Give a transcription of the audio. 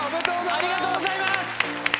ありがとうございます！